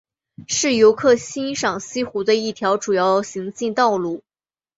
是游客欣赏西湖的一条主要行进道路。